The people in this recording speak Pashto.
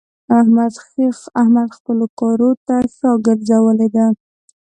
احمد خپلو کارو ته شا ګرځولې ده.